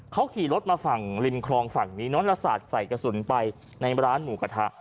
เขาขี่รถมาฝั่งริมคลองฝั่งนี้นอนละสาดใส่กระสุนไปในร้านหมูกระทะ